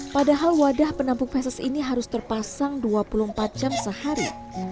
padahal wadah penampung fesis ini harus terpasang dua puluh empat jam sehari